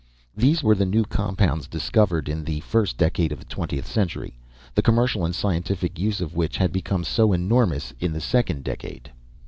These were the new compounds, discovered in the first decade of the twentieth century, the commercial and scientific use of which had become so enormous in the second decade.